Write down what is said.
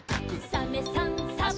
「サメさんサバさん」